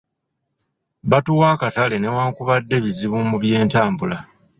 Batuwa akatale newankubadde bizibu mu by'entambula.